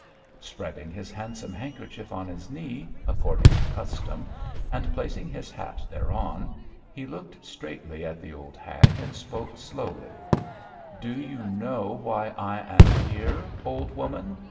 Spreading his handsome handkerchief on his knee, according to custom, and placing his hat thereon, he looked straightly at the old hag, and spoke slowly. [C] Hindity Mush: a dirty creature. 'Do you know why I am here, old woman?'